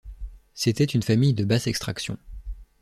C’était une famille de basse extraction.